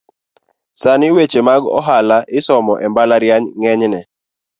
Sani weche mag ohala isomo embalariany ng’enyne